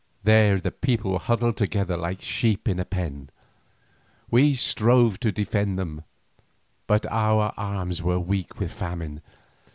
There the people were huddled together like sheep in a pen. We strove to defend them, but our arms were weak with famine.